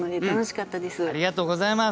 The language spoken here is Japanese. ありがとうございます。